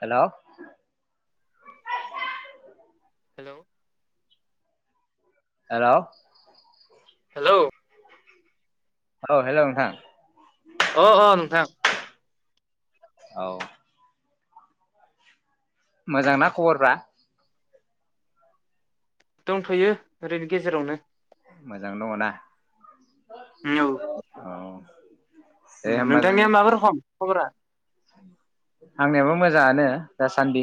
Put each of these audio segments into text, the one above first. Hello hello hello hello औ hello नोंथां अ अ नोंथां औ मोजांना खबरफ्रा दंथ'यो ओरैनि गेजेरावनो मोजां दङ ना उम औ औ दे होमबा जोङो नोंथांनिया माबा रखम खबरा आंनियाबो मोजाङानो दासान्दि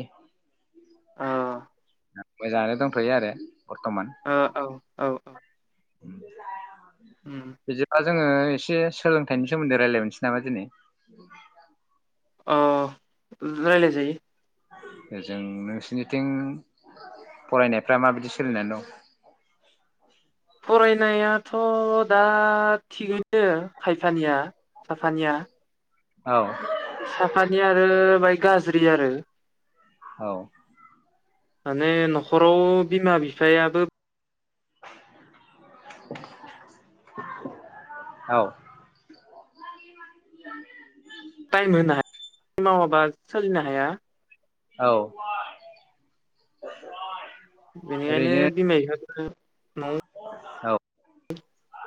अ [unintelligible] मोजाङानो दंथ'यो आरो ओ औ औ औ [unintelligible] उम बुजि बाज जोङो एसे सोलोंथाइनि सोमोन्दै रायलायनोसै नामा दिनै अ रायलाय जायो जों नोंसिनिथिं फरायनायफ्रा माबायदि सोलिनानै दं फरायनायाथ' दा थिगैनो खायफानिया साफानिया औ साफानि आरो बाय गाज्रि आरो औ माने न'खराव बिमा बि फायाबो आाबो औ [unintelligible] टाइम होनो [inaudible] हाया मावाबा सोलिनो हाया औ बेनिखायनो ओरैनो बिमा बिफाफोरा न'आव औ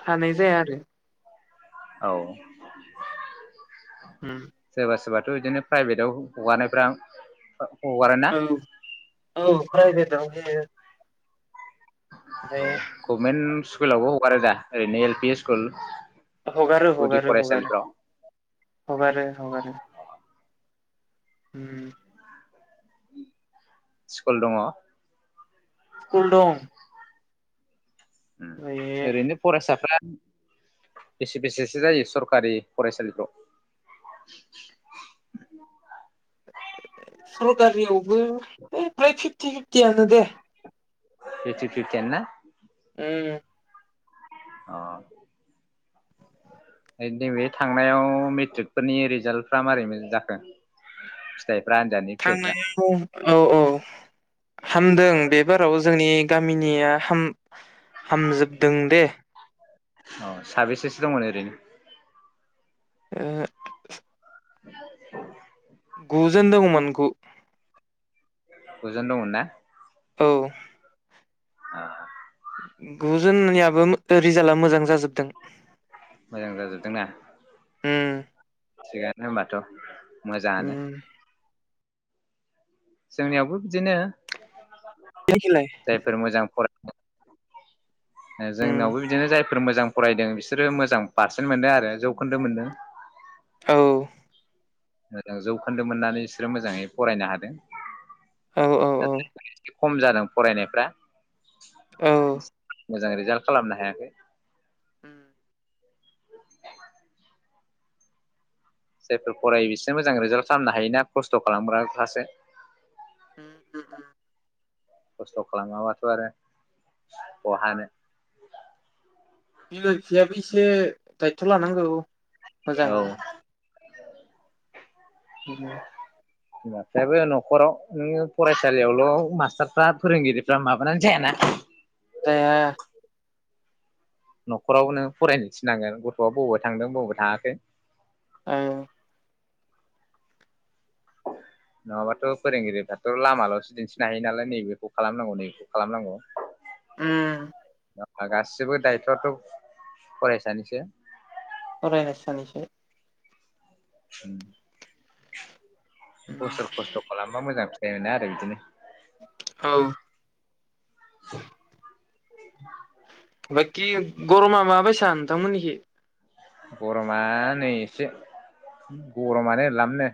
थानाय जाया आरो औ उम सोरबा सोरबा बिदिनो प्राइभेटाव हगारनायफ्रा हगारोना औ औ प्राइभेटाव [unintelligible] ओमफ्राय कमेन स्कुलावबो हगारो दा ओरैनो एल पि स्कुल हगारो गुदि हगारो हगारो फरायसालिफ्राव हगारो हगारो उम स्कुल दङ स्कुल दं ओमफ्राय ओरैनो फरायसाफ्रा बेसे बेसेसो जायो सरखारि फरायसालिफ्राव सरकारियावबो फ्राय फिफ्टि फिफ्टियानो दे फिफ्टि फिफ्टियानो ना।? उम अ नैबे थांनायाव मेट्रिकफोरनि रिजाल्टफ्रा माबारै जाखो फिथाइ थांनायाव औ औ हामदों बे बाराव जोंनि गामिनिया हाम हामजोबदों दे। औ साबेसेसो दंमोन ओरैनो। ओ [unintelligible] गुजोन दंमोन गु गुजोन दंमोन ना? औ ओ गुजोननियाबो रिजाल्टआ मोजां जाजोबदों मोजां जाजोबदोंना? होम थिगानो होमबाथ। मोजाङानो। उम जोंनियावबो बिदिनो बेखिलाय जायफोर मोजां फराय उम जोंनावबो बिदिनो जायफोर मोजां फरायदों बिसोरो मोजां पारसेन्ट मोनदों आरो जौखोन्दो मोनदों। औ मोजां जौखोन्दो मोननानै बिसोरो मोजाङै फरायनो हादों। औ औ दा औ नोंथांनिसिम- खम जादों फरायनायफ्रा औ [unintelligible] मोजां रिजाल्ट खालामनो हायाखै उम जायफोर फरायो बिसोरो मोजां रिजाल्ट खालामनो हायोना खस्थ' खालामग्रा फ्रासो उम उम खस्थ' खालामाबाथ' आरो बहा हानो। बिमा बिफायाबो एसे दायथ' लानांगौ। औ मोजाङै [inaudible] बिमाफ्रायाबो न'खराव नोङो फरायसालियावल' मास्टारफ्रा फोरोंगिरिफ्रा माबानानै जायाना जाया न'खराव नों फरायनो थिनांगोन गथ'आ बबावबा थांदों बबावबा थाङाखै औ नङाबाथ' फोरोंगिरिफ्राथ' लामाल'सो दिन्थिनो हायो नालाय नैबेखौ खालामनांगौ नैबेखौ खालामनांगौ। उम गासिबो दायथ'आथ' फरायसानिसो अरायनोसा निसै- [unintelligible] बोसोर खस्थ' खालामबा मोजां फि एरेनो आरो बिदिनो। औ [inaudible] बाकि गरमा माबायसा नोंथां मोननिखि? गरमा नै एसे गरमानो लामनो।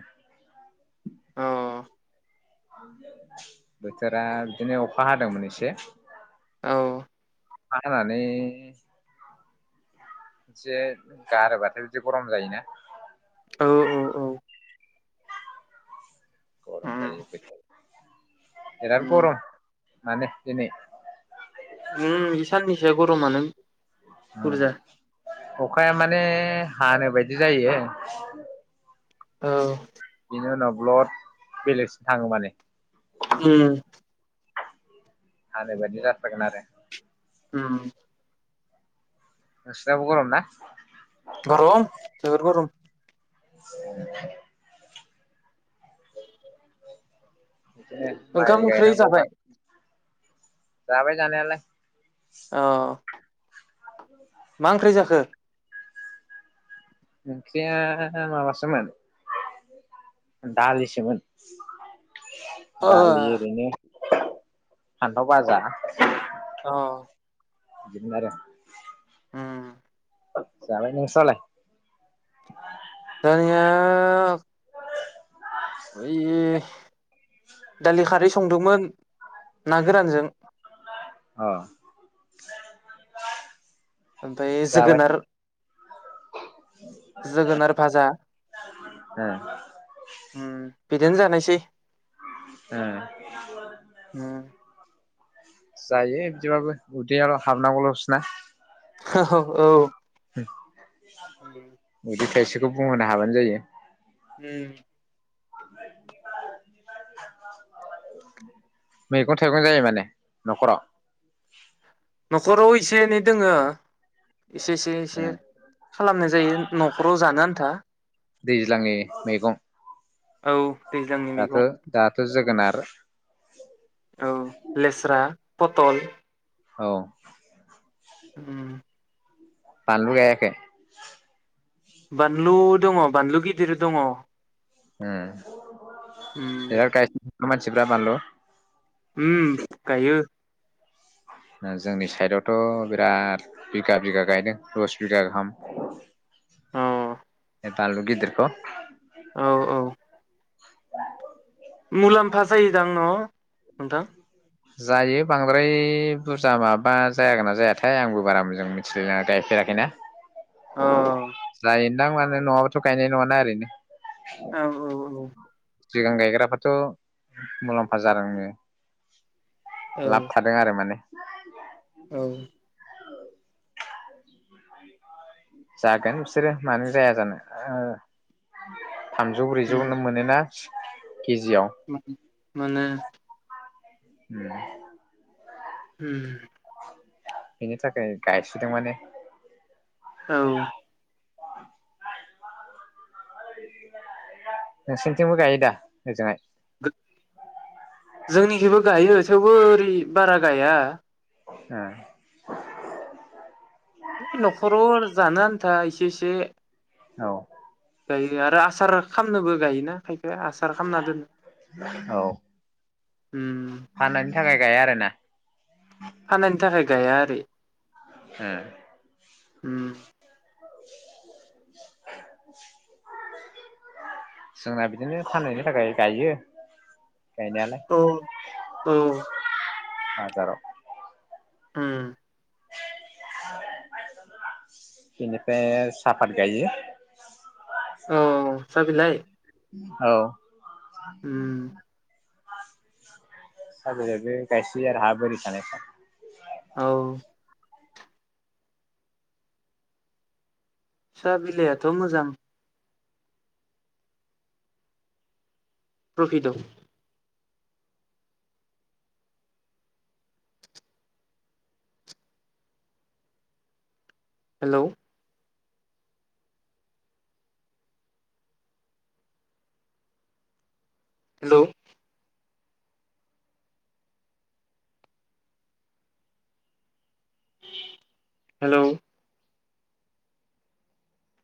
अ बोथोरा बिदिनो अखा हादोंमोन एसे औ खा हानानै एसे गारोबाथाय बिदि गरम जायोना। औ औ औ गरम जायो [unintelligible] एराद उम गरम माने दिनै उम बे साननैसोआ गरमानो उम बुरजा अखाया माने हानो बायदि जायो औ नि उनाव ब्लद बेलेगसो थाङो माने उम हानो बादि जाथारगोन आरो। उम नोंसिनाबो गरम ना? गरम जोबोर गरम। [inaudible] बिदिनो ओंखाम माइ ओंख्रि गायनांगौ जाबाय मा जाबाय जानायालाय। अ मा ओंख्रि जाखो? ओंख्रिया माबासोमोन दालिसोमोन। ओ दालि ओरैनो फानथाव बाजा अ जोगोनारो। उम जाबाय नोंस्रालाय? दानिआ ओइ दालि खारै संदोंमोन ना गोरानजों अ ओमफाय जाबाय ओ जोगोनार जोगोनार भाजा उम फि दिनो जानायसै ओ उम जायो बिदिबाबो उदै आवल' हाबनांगौल'सो ना ह ह औ [unintelligible] उदै थायसिब बेखौ बुंहोनो हाबानो जायो उम [unintelligible] मैगं थाइगं जायो माने न'खराव न'खराव एसे एनै दोङो एसे एसे ओ एसे खालामनाय जायो न'खराव जानो आन्था दैज्लांनि मैगं औ दैज्लांनि दाथ' मैगं दाथ' जोगोनार [unintelligible] औ लेस्रा पटल औ उम बानलु गायाखै बानलु दङ बानलु गिदिर दङ उम बिराद गा मानसिफ्रा बानलु उम गायो ओ जोंनि साइदआवथ' बिराद बिगा बिगा गायदों दस बिगा गाहाम अ बे बानलु गेदेरखौ औ औ मुलाम्फा जायोदां न' नोंथां जायो बांद्राय बुरजा माबा जायागोन ना जायाथाय आंबो बारा मोजां मिथिलाय गायफेराखैना अ जाय दाम मोननाय नङाबाथ' गायनाय नङाना ओरैनो औ औ औ सिगां गायग्राबाथ' मुलाम्फा जादोंनो औ लाबथादों आरो माने औ जागोन बिसोरो मानो जाया जानो आ [unintelligible] थामजौ उम ब्रैजौनो मोनोना [inaudible] केजियाव मोनो [inaudible] उम बेनि थाखाय गायसोदों माने औ नोंसोरनिथिंबो गायो दा ओजोंहाय जोंनिखिबो गायो थेवबो ओरै बारा गाया ओ [unintelligible] ए न'खराव आरो जानो आन्था इसे इसे औ। गायो आरो आसार खालामनैबो गायोना? बे आसार खालामना दोनो। औ उम [unintelligible] गाया आरोना। फाननायनि थाखाय गाया आरो ना हम। [inaudible] जोंना बिदिनो फाननायनि थाखाय गायो। गायनायालाय औ बाजाराव उम। [unintelligible] बेनिफाय साफाद गायो। अ सा बिलाय औ। [unintelligible] उम सा बिलायबो गायसोयो आरो हा बोरि थानायफ्राव औ। साहा बिलाइआथ' मोजां प्रपित दं। Hello hello hello